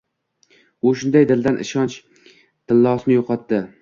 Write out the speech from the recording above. U shunday dildan ishonch — tillosini yo‘qotdi